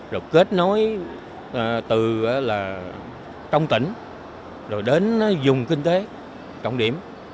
rồi kết nối từ trong tỉnh rồi đến dùng kinh tế trọng điểm